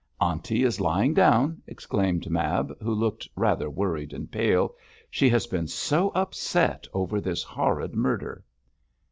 'Aunty is lying down,' explained Mab, who looked rather worried and pale; 'she has been so upset over this horrid murder.'